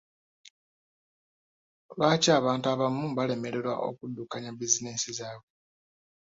Lwaki bantu abamu balemererwa okudddukanya bizinensi zaabwe?